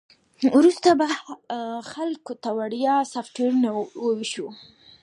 وروسته به خلکو ته وړیا سافټویرونه وویشو